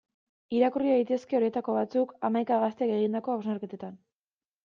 Irakurri daitezke horietako batzuk, hamaika gaztek egindako hausnarketetan.